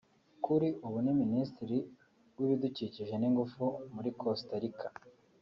kuri ubu ni Minisitiri w’ibidukikije n’ingufu muri Costa Rica